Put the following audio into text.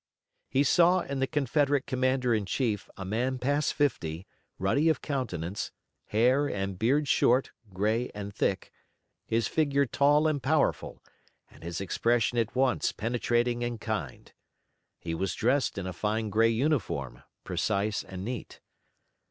He saw in the Confederate commander in chief a man past fifty, ruddy of countenance, hair and beard short, gray and thick, his figure tall and powerful, and his expression at once penetrating and kind. He was dressed in a fine gray uniform, precise and neat.